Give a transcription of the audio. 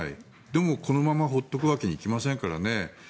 でも、このまま放っておくわけにはいきませんからね。